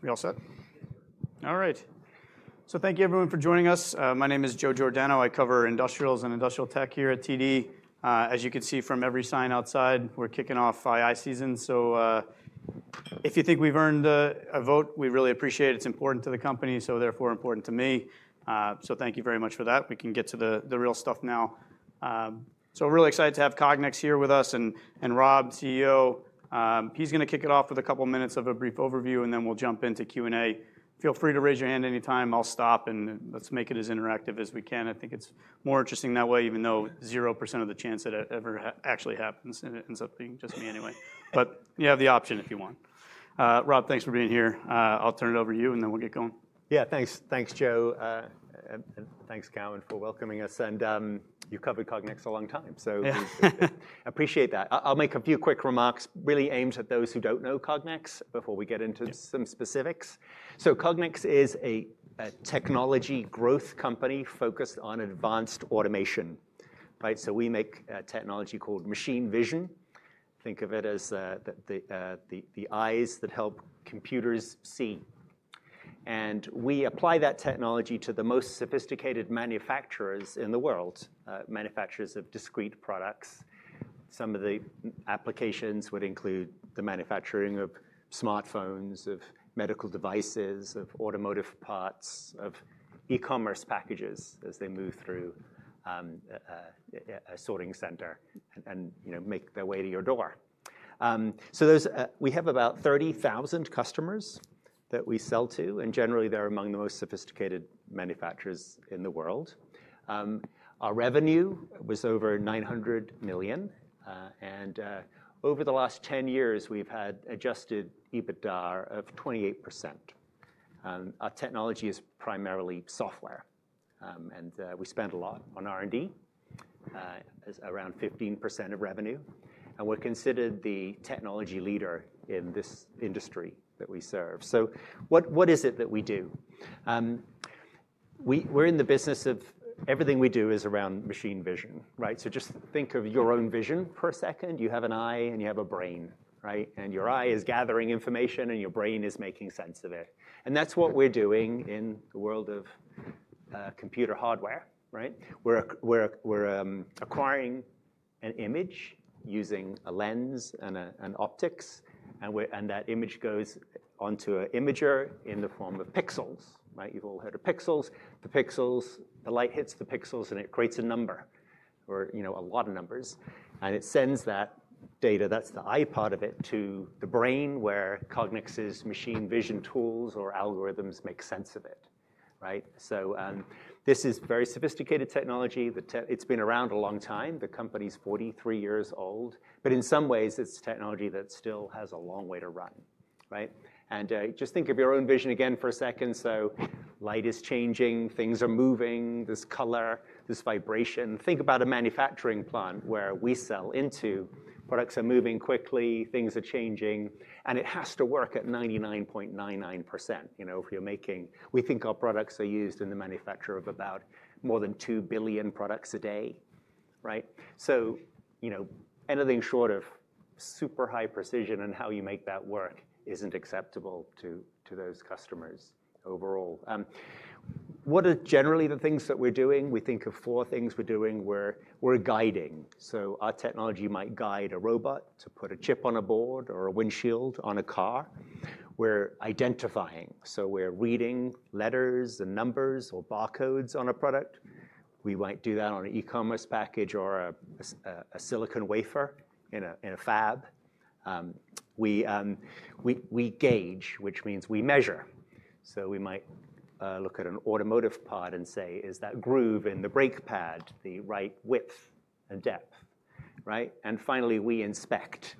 Are we all set? All right. Thank you, everyone, for joining us. My name is Joe Giordano. I cover industrials and industrial tech here at TD. As you can see from every sign outside, we're kicking off II season. If you think we've earned a vote, we really appreciate it. It's important to the company, so therefore important to me. Thank you very much for that. We can get to the real stuff now. We're really excited to have Cognex here with us. And Rob, CEO, he's going to kick it off with a couple of minutes of a brief overview, and then we'll jump into Q&A. Feel free to raise your hand anytime. I'll stop, and let's make it as interactive as we can. I think it's more interesting that way, even though 0% of the chance that it ever actually happens ends up being just me anyway. You have the option if you want. Rob, thanks for being here. I'll turn it over to you, and then we'll get going. Yeah, thanks, Joe. And thanks, Cowen, for welcoming us. And you've covered Cognex a long time, so I appreciate that. I'll make a few quick remarks, really aimed at those who don't know Cognex before we get into some specifics. Cognex is a technology growth company focused on advanced automation. We make technology called machine vision. Think of it as the eyes that help computers see. We apply that technology to the most sophisticated manufacturers in the world, manufacturers of discrete products. Some of the applications would include the manufacturing of smartphones, of medical devices, of automotive parts, of e-commerce packages as they move through a sorting center and make their way to your door. We have about 30,000 customers that we sell to. Generally, they're among the most sophisticated manufacturers in the world. Our revenue was over $900 million. Over the last 10 years, we've had adjusted EBITDA of 28%. Our technology is primarily software. We spend a lot on R&D, around 15% of revenue. We're considered the technology leader in this industry that we serve. What is it that we do? We're in the business of everything we do is around machine vision. Just think of your own vision for a second. You have an eye, and you have a brain. Your eye is gathering information, and your brain is making sense of it. That's what we're doing in the world of computer hardware. We're acquiring an image using a lens and optics. That image goes onto an imager in the form of pixels. You've all heard of pixels. The light hits the pixels, and it creates a number, or a lot of numbers. It sends that data, that's the eye part of it, to the brain where Cognex's machine vision tools or algorithms make sense of it. This is very sophisticated technology. It's been around a long time. The company's 43 years old. In some ways, it's technology that still has a long way to run. Just think of your own vision again for a second. Light is changing. Things are moving. There's color, there's vibration. Think about a manufacturing plant where we sell into. Products are moving quickly. Things are changing. It has to work at 99.99%. We think our products are used in the manufacture of about more than 2 billion products a day. Anything short of super high precision and how you make that work isn't acceptable to those customers overall. What are generally the things that we're doing? We think of four things we're doing. We're guiding. Our technology might guide a robot to put a chip on a board or a windshield on a car. We're identifying. We're reading letters and numbers or barcodes on a product. We might do that on an e-commerce package or a silicon wafer in a fab. We gauge, which means we measure. We might look at an automotive part and say, is that groove in the brake pad the right width and depth? Finally, we inspect.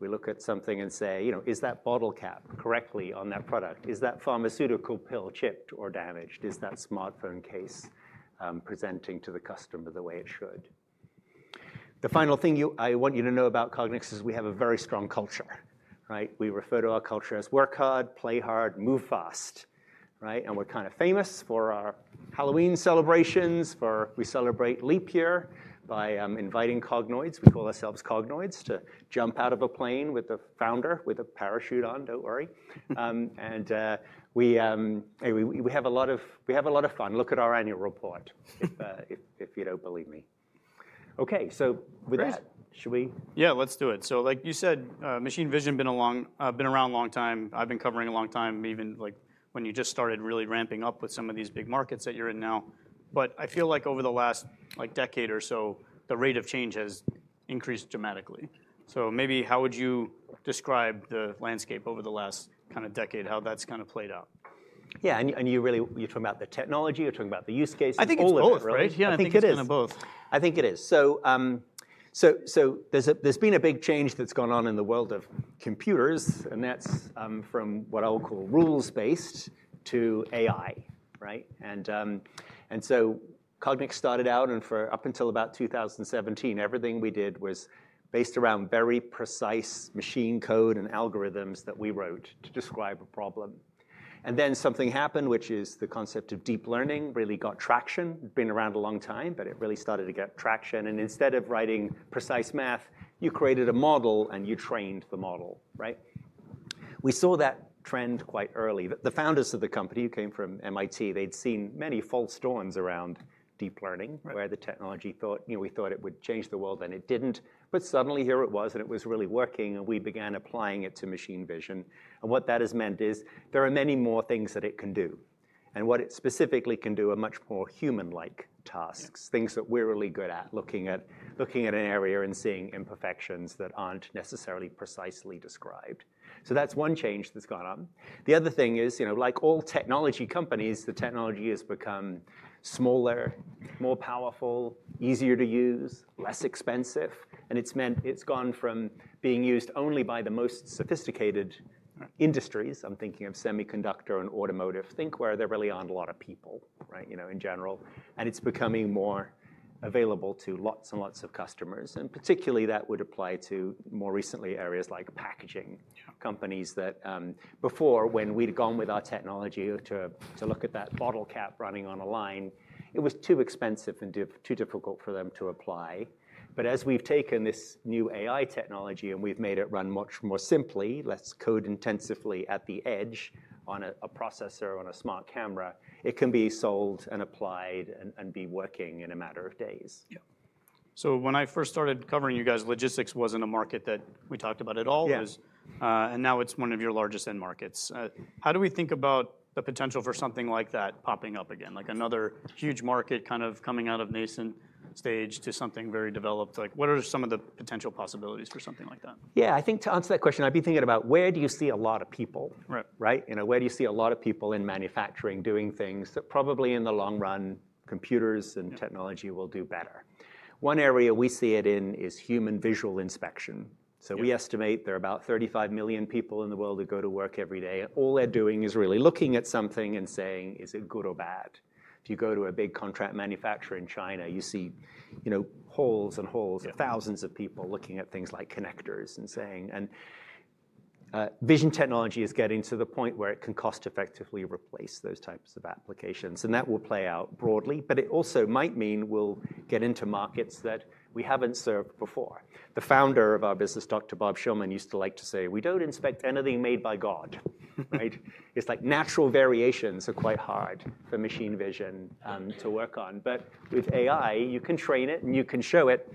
We look at something and say, is that bottle cap correctly on that product? Is that pharmaceutical pill chipped or damaged? Is that smartphone case presenting to the customer the way it should? The final thing I want you to know about Cognex is we have a very strong culture. We refer to our culture as work hard, play hard, move fast. We are kind of famous for our Halloween celebrations. We celebrate leap year by inviting Cognoids—we call ourselves Cognoids—to jump out of a plane with the founder with a parachute on. Don't worry. We have a lot of fun. Look at our annual report if you don't believe me. OK, with that, should we? Yeah, let's do it. Like you said, machine vision has been around a long time. I've been covering a long time, even when you just started really ramping up with some of these big markets that you're in now. I feel like over the last decade or so, the rate of change has increased dramatically. Maybe how would you describe the landscape over the last kind of decade, how that's kind of played out? Yeah, and you're talking about the technology. You're talking about the use case. I think it's both, right? Yeah, I think it is. It's kind of both. I think it is. There has been a big change that's gone on in the world of computers. That's from what I will call rules-based to AI. Cognex started out, and for up until about 2017, everything we did was based around very precise machine code and algorithms that we wrote to describe a problem. Then something happened, which is the concept of deep learning really got traction. It's been around a long time, but it really started to get traction. Instead of writing precise math, you created a model, and you trained the model. We saw that trend quite early. The founders of the company, who came from MIT, had seen many false dawns around deep learning, where the technology, we thought it would change the world, and it didn't. Suddenly, here it was, and it was really working. We began applying it to machine vision. What that has meant is there are many more things that it can do. What it specifically can do are much more human-like tasks, things that we're really good at, looking at an area and seeing imperfections that aren't necessarily precisely described. That is one change that's gone on. The other thing is, like all technology companies, the technology has become smaller, more powerful, easier to use, less expensive. It has gone from being used only by the most sophisticated industries. I'm thinking of semiconductor and automotive. Think where there really aren't a lot of people in general. It is becoming more available to lots and lots of customers. Particularly, that would apply to, more recently, areas like packaging companies that before, when we'd gone with our technology to look at that bottle cap running on a line, it was too expensive and too difficult for them to apply. As we've taken this new AI technology and we've made it run much more simply, less code-intensively at the edge on a processor on a smart camera, it can be sold and applied and be working in a matter of days. Yeah. When I first started covering you guys, logistics was not a market that we talked about at all. Now it is one of your largest end markets. How do we think about the potential for something like that popping up again, like another huge market kind of coming out of nascent stage to something very developed? What are some of the potential possibilities for something like that? Yeah, I think to answer that question, I'd be thinking about where do you see a lot of people? Where do you see a lot of people in manufacturing doing things that probably in the long run, computers and technology will do better? One area we see it in is human visual inspection. We estimate there are about 35 million people in the world who go to work every day. All they're doing is really looking at something and saying, is it good or bad? If you go to a big contract manufacturer in China, you see halls and halls of thousands of people looking at things like connectors and saying. Vision technology is getting to the point where it can cost-effectively replace those types of applications. That will play out broadly. It also might mean we'll get into markets that we haven't served before. The founder of our business, Dr. Bob Shillman, used to like to say, we don't inspect anything made by God. It's like natural variations are quite hard for machine vision to work on. With AI, you can train it, and you can show it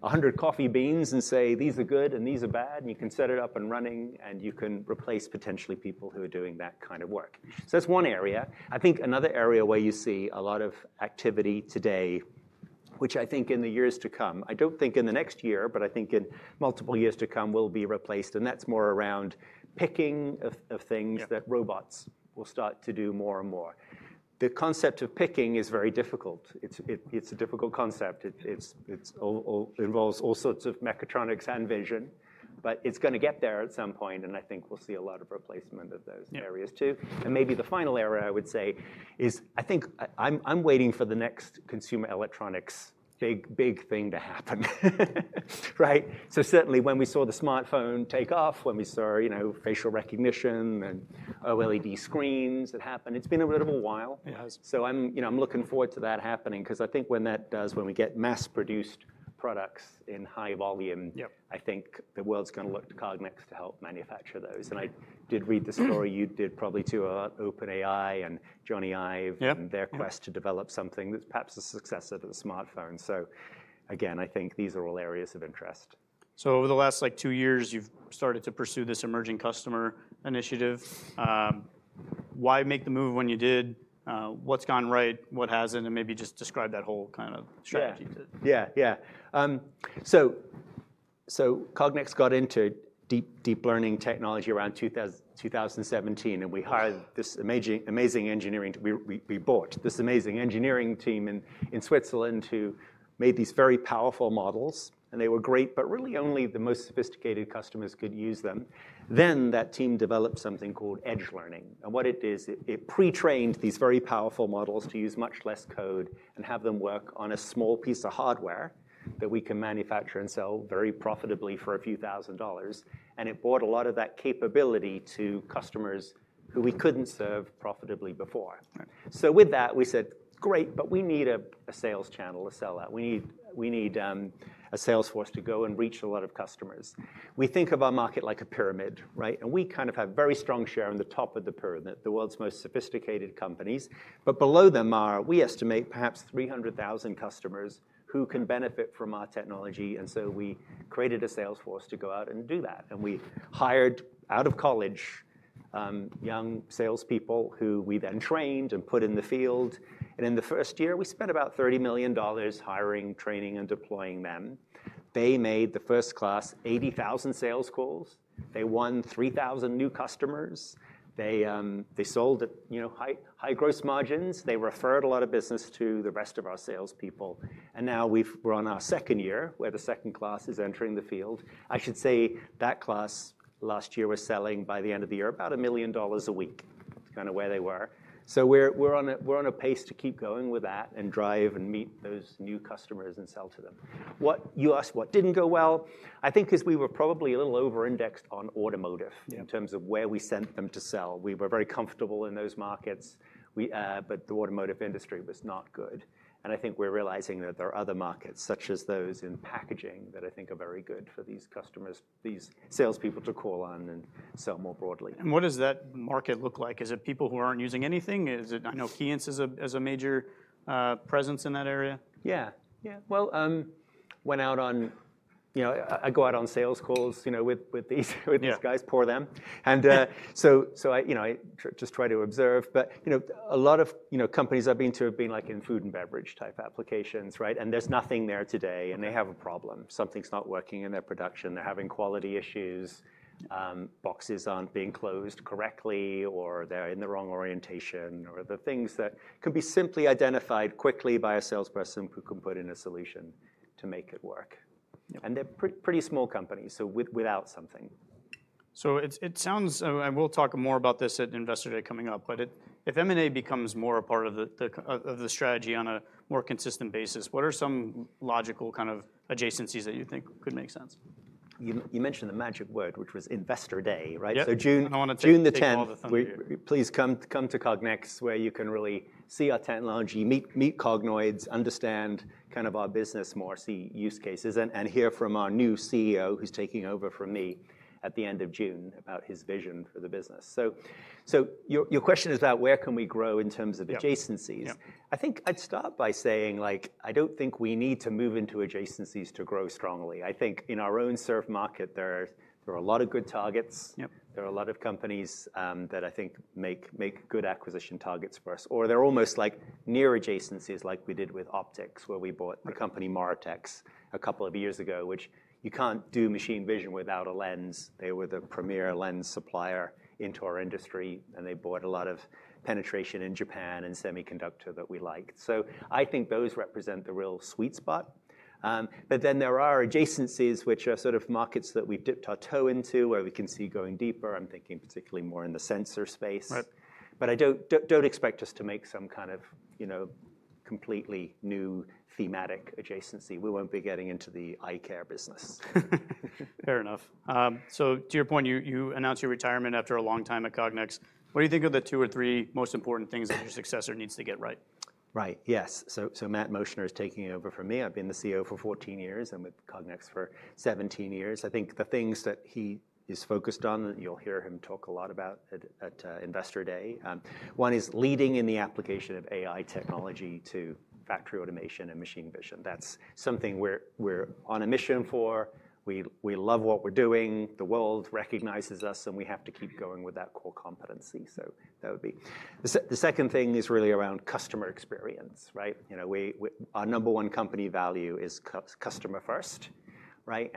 100 coffee beans and say, these are good, and these are bad. You can set it up and running, and you can replace potentially people who are doing that kind of work. That's one area. I think another area where you see a lot of activity today, which I think in the years to come, I don't think in the next year, but I think in multiple years to come, will be replaced. That's more around picking of things that robots will start to do more and more. The concept of picking is very difficult. It's a difficult concept. It involves all sorts of mechatronics and vision. It's going to get there at some point. I think we'll see a lot of replacement of those areas too. Maybe the final area I would say is I think I'm waiting for the next consumer electronics big thing to happen. Certainly, when we saw the smartphone take off, when we saw facial recognition and OLED screens that happened, it's been a little while. I'm looking forward to that happening. I think when that does, when we get mass-produced products in high volume, the world's going to look to Cognex to help manufacture those. I did read the story. You did probably too about OpenAI and Jony Ive and their quest to develop something that's perhaps a successor to the smartphone. I think these are all areas of interest. Over the last two years, you've started to pursue this emerging customer initiative. Why make the move when you did? What's gone right? What hasn't? Maybe just describe that whole kind of strategy. Yeah, yeah. Cognex got into deep learning technology around 2017. We hired this amazing engineering team. We bought this amazing engineering team in Switzerland who made these very powerful models. They were great, but really only the most sophisticated customers could use them. That team developed something called edge learning. What it did is it pre-trained these very powerful models to use much less code and have them work on a small piece of hardware that we can manufacture and sell very profitably for a few thousand dollars. It brought a lot of that capability to customers who we could not serve profitably before. With that, we said, great, but we need a sales channel to sell that. We need a sales force to go and reach a lot of customers. We think of our market like a pyramid. We kind of have a very strong share on the top of the pyramid, the world's most sophisticated companies. Below them are, we estimate, perhaps 300,000 customers who can benefit from our technology. We created a sales force to go out and do that. We hired out of college young salespeople who we then trained and put in the field. In the first year, we spent about $30 million hiring, training, and deploying them. They made the first class 80,000 sales calls. They won 3,000 new customers. They sold at high gross margins. They referred a lot of business to the rest of our salespeople. Now we are on our second year, where the second class is entering the field. I should say that class last year was selling by the end of the year about $1 million a week. That's kind of where they were. We're on a pace to keep going with that and drive and meet those new customers and sell to them. You asked what didn't go well. I think because we were probably a little over-indexed on automotive in terms of where we sent them to sell. We were very comfortable in those markets. The automotive industry was not good. I think we're realizing that there are other markets, such as those in packaging, that I think are very good for these customers, these salespeople to call on and sell more broadly. What does that market look like? Is it people who aren't using anything? I know Keyence is a major presence in that area. Yeah, yeah. I go out on sales calls with these guys, pour them. I just try to observe. A lot of companies I've been to have been in food and beverage type applications. There's nothing there today. They have a problem. Something's not working in their production. They're having quality issues. Boxes aren't being closed correctly, or they're in the wrong orientation, or the things that can be simply identified quickly by a salesperson who can put in a solution to make it work. They're pretty small companies, so without something. It sounds--and we'll talk more about this at Investor Day coming up--but if M&A becomes more a part of the strategy on a more consistent basis, what are some logical kind of adjacencies that you think could make sense? You mentioned the magic word, which was Investor Day. June 10th, please come to Cognex, where you can really see our technology, meet Cognoids, understand kind of our business more, see use cases, and hear from our new CEO, who's taking over from me at the end of June, about his vision for the business. Your question is about where can we grow in terms of adjacencies. I think I'd start by saying I don't think we need to move into adjacencies to grow strongly. I think in our own surf market, there are a lot of good targets. There are a lot of companies that I think make good acquisition targets for us. Or they're almost like near adjacencies, like we did with Optics, where we bought the company Moritex a couple of years ago, which you can't do machine vision without a lens. They were the premier lens supplier into our industry. They bought a lot of penetration in Japan and semiconductor that we liked. I think those represent the real sweet spot. There are adjacencies, which are sort of markets that we've dipped our toe into, where we can see going deeper. I'm thinking particularly more in the sensor space. I don't expect us to make some kind of completely new thematic adjacency. We won't be getting into the eye care business. Fair enough. To your point, you announced your retirement after a long time at Cognex. What do you think are the two or three most important things that your successor needs to get right? Right, yes. Matt Moschner is taking over from me. I've been the CEO for 14 years and with Cognex for 17 years. I think the things that he is focused on, and you'll hear him talk a lot about at Investor Day, one is leading in the application of AI technology to factory automation and machine vision. That's something we're on a mission for. We love what we're doing. The world recognizes us. We have to keep going with that core competency. That would be the second thing, really around customer experience. Our number one company value is customer first.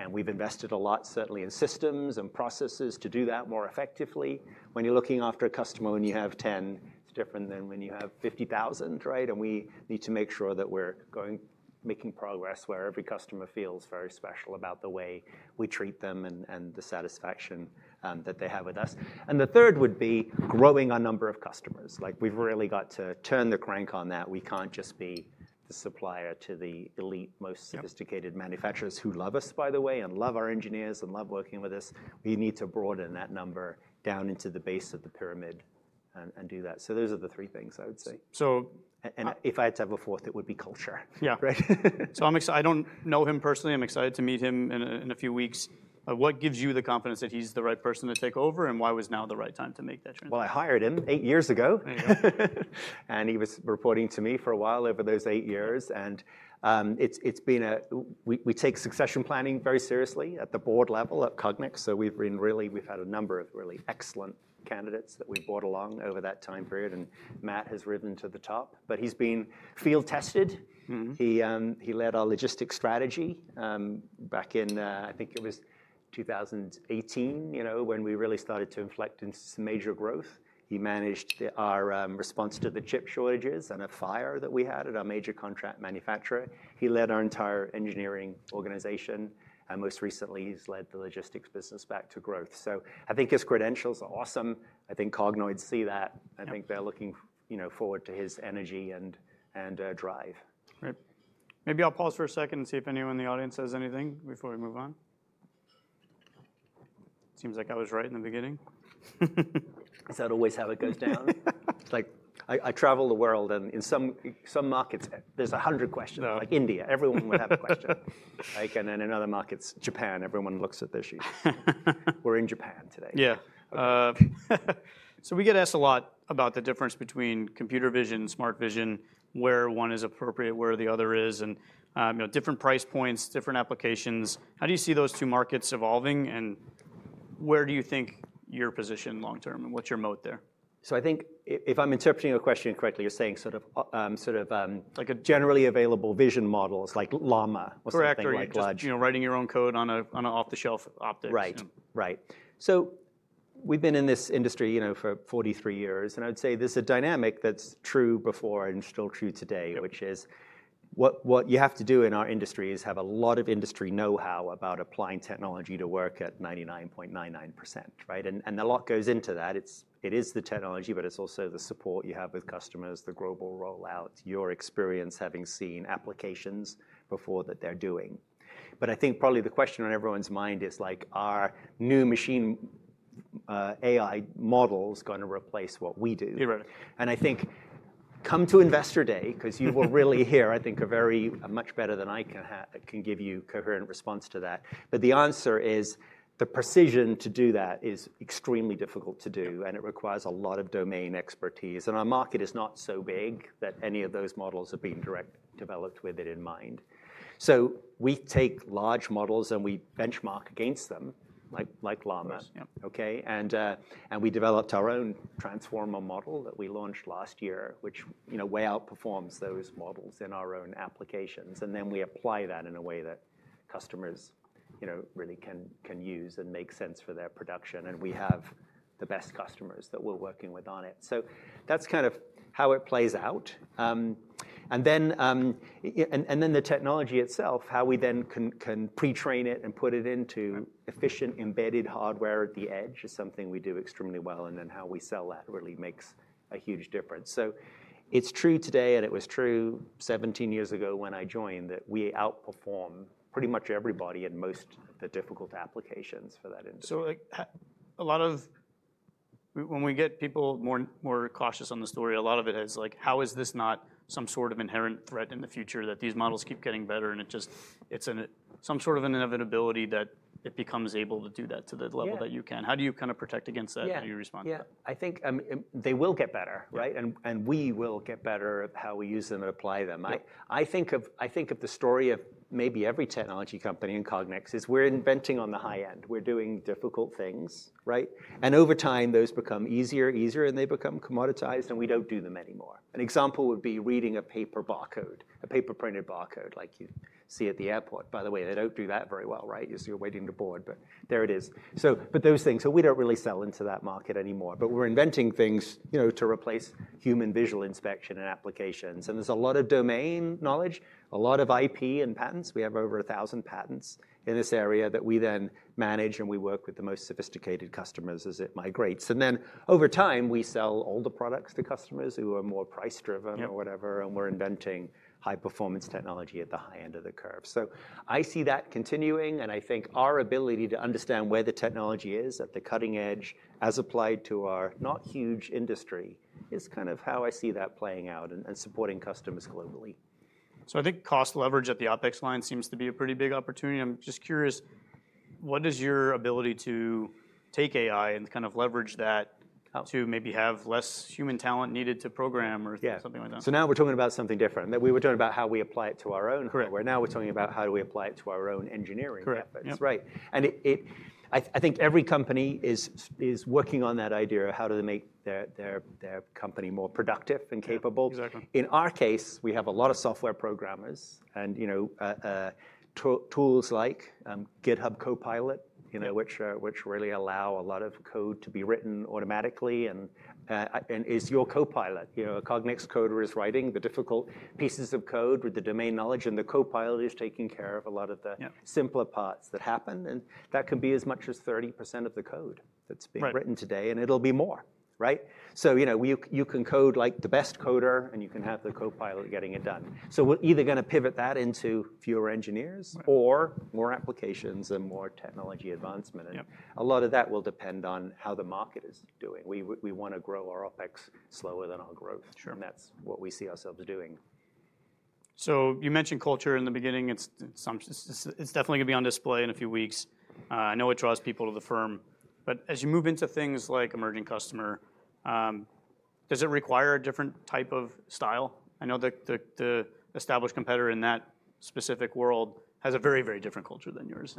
We've invested a lot, certainly, in systems and processes to do that more effectively. When you're looking after a customer when you have 10, it's different than when you have 50,000. We need to make sure that we're making progress where every customer feels very special about the way we treat them and the satisfaction that they have with us. The third would be growing our number of customers. We've really got to turn the crank on that. We can't just be the supplier to the elite, most sophisticated manufacturers, who love us, by the way, and love our engineers and love working with us. We need to broaden that number down into the base of the pyramid and do that. Those are the three things I would say. If I had to have a fourth, it would be culture. Yeah. I don't know him personally. I'm excited to meet him in a few weeks. What gives you the confidence that he's the right person to take over? Why was now the right time to make that transition? I hired him eight years ago. He was reporting to me for a while over those eight years. We take succession planning very seriously at the board level at Cognex. We have had a number of really excellent candidates that we have brought along over that time period. Matt has risen to the top. He has been field tested. He led our logistics strategy back in, I think it was 2018, when we really started to inflect into some major growth. He managed our response to the chip shortages and a fire that we had at our major contract manufacturer. He led our entire engineering organization. Most recently, he has led the logistics business back to growth. I think his credentials are awesome. I think Cognoids see that. I think they are looking forward to his energy and drive. Right. Maybe I'll pause for a second and see if anyone in the audience has anything before we move on. Seems like I was right in the beginning. Is that always how it goes down? I travel the world. And in some markets, there's 100 questions. Like India, everyone would have a question. And then in other markets, Japan, everyone looks at their shoes. We're in Japan today. Yeah. So we get asked a lot about the difference between computer vision, smart vision, where one is appropriate, where the other is, and different price points, different applications. How do you see those two markets evolving? Where do you think you're positioned long term? What's your moat there? I think if I'm interpreting your question correctly, you're saying sort of like a generally available vision models, like Llama, what's the term? Correct, or like writing your own code on an off-the-shelf optics. Right, right. We have been in this industry for 43 years. I would say there is a dynamic that was true before and is still true today, which is what you have to do in our industry is have a lot of industry know-how about applying technology to work at 99.99%. A lot goes into that. It is the technology, but it is also the support you have with customers, the global rollout, your experience having seen applications before that they are doing. I think probably the question on everyone's mind is, are new machine AI models going to replace what we do? I think come to Investor Day, because you will really hear, I think, a very much better than I can give you a coherent response to that. The answer is the precision to do that is extremely difficult to do. It requires a lot of domain expertise. Our market is not so big that any of those models are being developed with it in mind. We take large models, and we benchmark against them, like Llama. We developed our own transformer model that we launched last year, which way outperforms those models in our own applications. We apply that in a way that customers really can use and make sense for their production. We have the best customers that we're working with on it. That is kind of how it plays out. The technology itself, how we then can pre-train it and put it into efficient embedded hardware at the edge, is something we do extremely well. How we sell that really makes a huge difference. It's true today, and it was true 17 years ago when I joined, that we outperform pretty much everybody in most of the difficult applications for that industry. A lot of when we get people more cautious on the story, a lot of it is like, how is this not some sort of inherent threat in the future that these models keep getting better? It is some sort of an inevitability that it becomes able to do that to the level that you can. How do you kind of protect against that? How do you respond to that? Yeah, I think they will get better. And we will get better at how we use them and apply them. I think of the story of maybe every technology company in Cognex is we're inventing on the high end. We're doing difficult things. And over time, those become easier and easier. They become commoditized. We don't do them anymore. An example would be reading a paper barcode, a paper-printed barcode like you see at the airport. By the way, they don't do that very well. You're waiting to board. There it is. Those things. We don't really sell into that market anymore. We're inventing things to replace human visual inspection and applications. There's a lot of domain knowledge, a lot of IP and patents. We have over 1,000 patents in this area that we then manage. We work with the most sophisticated customers as it migrates. Then over time, we sell all the products to customers who are more price-driven or whatever. We are inventing high-performance technology at the high end of the curve. I see that continuing. I think our ability to understand where the technology is at the cutting edge, as applied to our not huge industry, is kind of how I see that playing out and supporting customers globally. I think cost leverage at the Optics line seems to be a pretty big opportunity. I'm just curious, what is your ability to take AI and kind of leverage that to maybe have less human talent needed to program or something like that? Yeah. Now we're talking about something different. We were talking about how we apply it to our own hardware. Now we're talking about how do we apply it to our own engineering methods. Right. I think every company is working on that idea of how do they make their company more productive and capable. In our case, we have a lot of software programmers and tools like GitHub Copilot, which really allow a lot of code to be written automatically. It is your Copilot. A Cognex coder is writing the difficult pieces of code with the domain knowledge. The Copilot is taking care of a lot of the simpler parts that happen. That can be as much as 30% of the code that is being written today. It will be more. You can code like the best coder. You can have the Copilot getting it done. We are either going to pivot that into fewer engineers or more applications and more technology advancement. A lot of that will depend on how the market is doing. We want to grow our Optics slower than our growth. That is what we see ourselves doing. You mentioned culture in the beginning. It's definitely going to be on display in a few weeks. I know it draws people to the firm. As you move into things like emerging customer, does it require a different type of style? I know the established competitor in that specific world has a very, very different culture than yours.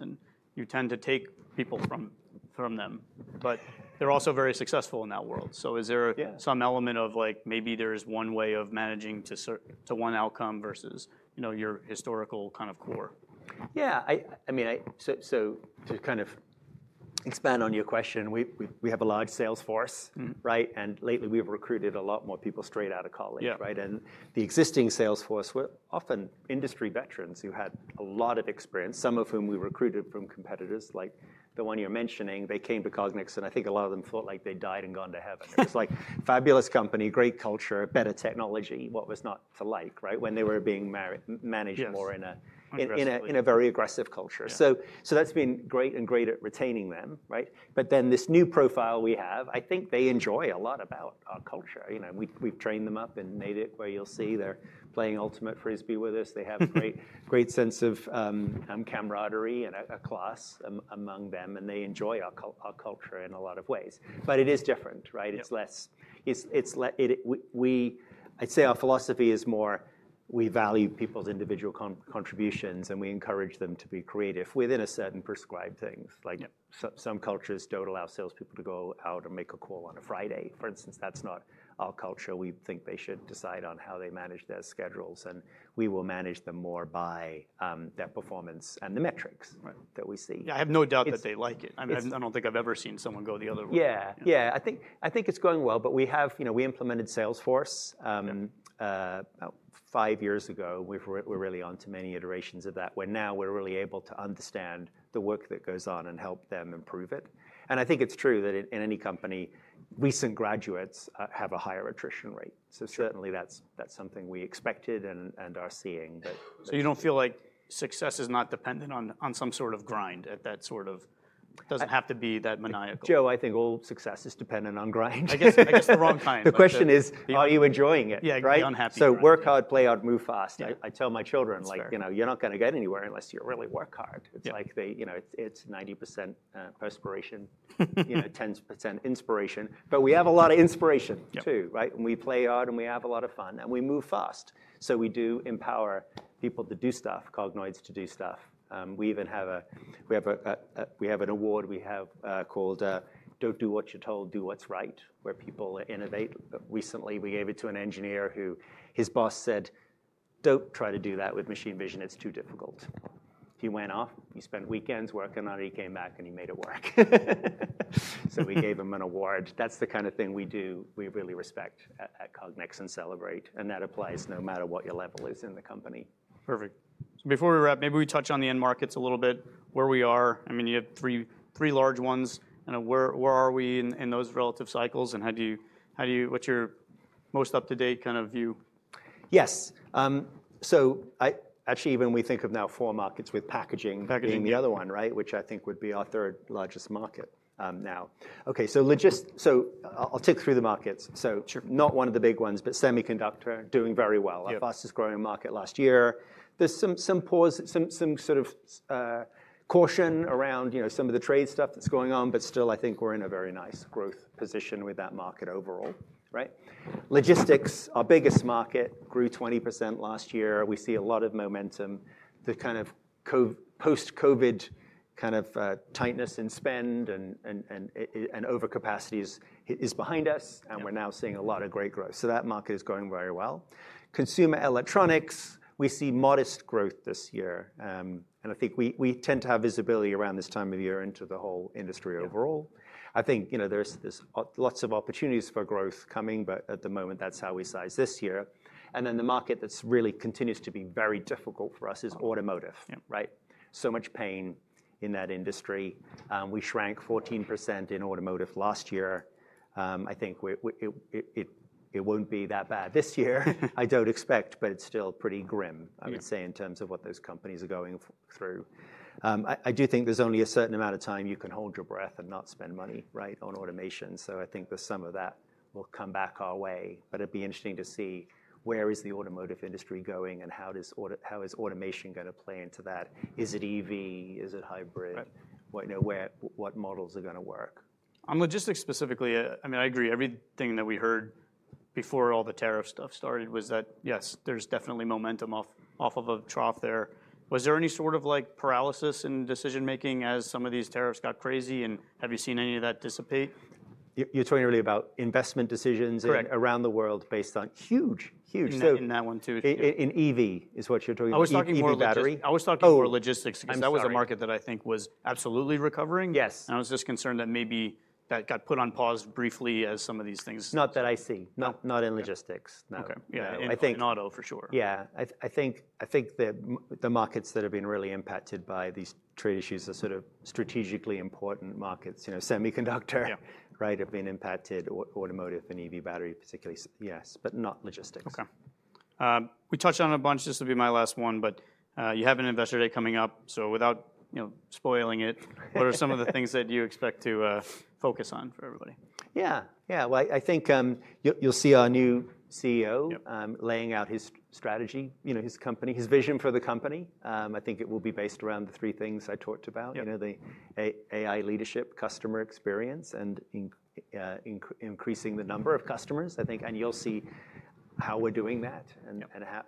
You tend to take people from them. They're also very successful in that world. Is there some element of maybe there is one way of managing to one outcome versus your historical kind of core? Yeah. I mean, to kind of expand on your question, we have a large sales force. And lately, we've recruited a lot more people straight out of college. And the existing sales force were often industry veterans who had a lot of experience, some of whom we recruited from competitors. Like the one you're mentioning, they came to Cognex. I think a lot of them felt like they'd died and gone to heaven. It was like fabulous company, great culture, better technology. What was not to like when they were being managed more in a very aggressive culture? That's been great and great at retaining them. This new profile we have, I think they enjoy a lot about our culture. We've trained them up and made it where you'll see they're playing Ultimate Frisbee with us. They have great sense of camaraderie and a class among them. They enjoy our culture in a lot of ways. It is different. I'd say our philosophy is more we value people's individual contributions. We encourage them to be creative within a certain prescribed things. Like some cultures don't allow salespeople to go out and make a call on a Friday. For instance, that's not our culture. We think they should decide on how they manage their schedules. We will manage them more by their performance and the metrics that we see. I have no doubt that they like it. I don't think I've ever seen someone go the other way. Yeah, yeah. I think it's going well. We implemented Salesforce about five years ago. We were really on too many iterations of that, where now we're really able to understand the work that goes on and help them improve it. I think it's true that in any company, recent graduates have a higher attrition rate. Certainly, that's something we expected and are seeing. So you don't feel like success is not dependent on some sort of grind at that, sort of, it doesn't have to be that maniacal. Joe, I think all success is dependent on grind. I guess the wrong time. The question is, are you enjoying it? Yeah, you're unhappy. Work hard, play hard, move fast. I tell my children, you're not going to get anywhere unless you really work hard. It's like it's 90% perspiration, 10% inspiration. We have a lot of inspiration, too. We play hard. We have a lot of fun. We move fast. We do empower people to do stuff, Cognoids to do stuff. We have an award we have called Don't Do What You're Told, Do What's Right, where people innovate. Recently, we gave it to an engineer who his boss said, don't try to do that with machine vision. It's too difficult. He went off. He spent weekends working on it. He came back. He made it work. We gave him an award. That's the kind of thing we do. We really respect at Cognex and celebrate. That applies no matter what your level is in the company. Perfect. Before we wrap, maybe we touch on the end markets a little bit, where we are. I mean, you have three large ones. Where are we in those relative cycles? What's your most up-to-date kind of view? Yes. So actually, even we think of now four markets with packaging being the other one, which I think would be our third largest market now. OK, so I'll tick through the markets. So not one of the big ones, but semiconductor doing very well. Our fastest growing market last year. There's some sort of caution around some of the trade stuff that's going on. Still, I think we're in a very nice growth position with that market overall. Logistics, our biggest market, grew 20% last year. We see a lot of momentum. The kind of post-COVID kind of tightness in spend and overcapacity is behind us. We're now seeing a lot of great growth. That market is going very well. Consumer electronics, we see modest growth this year. I think we tend to have visibility around this time of year into the whole industry overall. I think there's lots of opportunities for growth coming. At the moment, that's how we size this year. The market that really continues to be very difficult for us is automotive. So much pain in that industry. We shrank 14% in automotive last year. I think it won't be that bad this year. I don't expect. It is still pretty grim, I would say, in terms of what those companies are going through. I do think there's only a certain amount of time you can hold your breath and not spend money on automation. I think some of that will come back our way. It will be interesting to see where is the automotive industry going? How is automation going to play into that? Is it EV? Is it hybrid? What models are going to work? On logistics specifically, I mean, I agree. Everything that we heard before all the tariff stuff started was that, yes, there's definitely momentum off of a trough there. Was there any sort of paralysis in decision-making as some of these tariffs got crazy? Have you seen any of that dissipate? You're talking really about investment decisions around the world based on huge, huge. I'm not in that one, too. In EV is what you're talking about? I was talking EV battery. Oh, logistics. That was a market that I think was absolutely recovering. Yes. I was just concerned that maybe that got put on pause briefly as some of these things. Not that I see. Not in logistics. OK. Yeah, in auto for sure. Yeah. I think the markets that have been really impacted by these trade issues are sort of strategically important markets. Semiconductor have been impacted. Automotive and EV battery, particularly, yes. Not logistics. OK. We touched on a bunch. This will be my last one. You have an Investor Day coming up. Without spoiling it, what are some of the things that you expect to focus on for everybody? Yeah, yeah. I think you'll see our new CEO laying out his strategy, his vision for the company. I think it will be based around the three things I talked about: the AI leadership, customer experience, and increasing the number of customers. You'll see how we're doing that.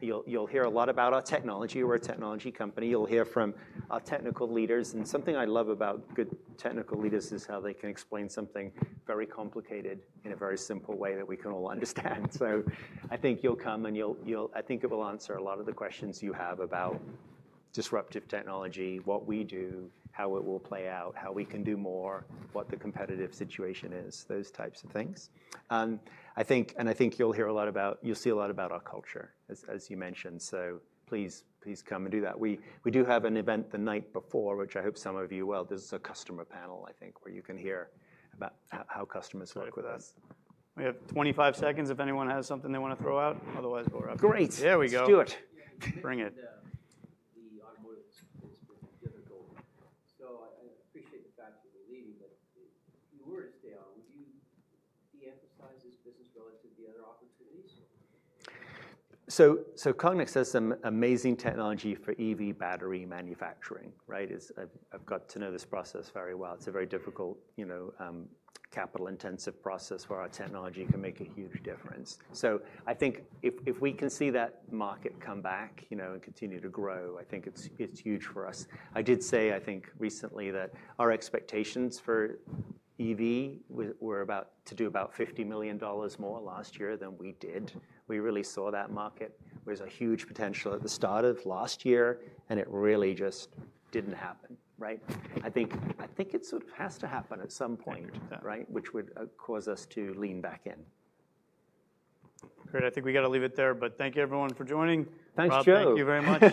You'll hear a lot about our technology. We're a technology company. You'll hear from our technical leaders. Something I love about good technical leaders is how they can explain something very complicated in a very simple way that we can all understand. I think you'll come. I think it will answer a lot of the questions you have about disruptive technology, what we do, how it will play out, how we can do more, what the competitive situation is, those types of things. I think you'll hear a lot about, you'll see a lot about our culture, as you mentioned. Please come and do that. We do have an event the night before, which I hope some of you will. There's a customer panel, I think, where you can hear about how customers work with us. We have 25 seconds if anyone has something they want to throw out. Otherwise, we'll wrap up. Great. There we go. Let's do it. Bring it. The automotive industry has been difficult. I appreciate the fact that you're leaving. If you were to stay on, would you de-emphasize this business relative to the other opportunities? Cognex has some amazing technology for EV battery manufacturing. I've got to know this process very well. It's a very difficult, capital-intensive process where our technology can make a huge difference. I think if we can see that market come back and continue to grow, I think it's huge for us. I did say, I think, recently that our expectations for EV were to do about $50 million more last year than we did. We really saw that market. There was a huge potential at the start of last year. It really just didn't happen. I think it sort of has to happen at some point, which would cause us to lean back in. Great. I think we've got to leave it there. Thank you, everyone, for joining. Thanks, Joe. Thank you very much.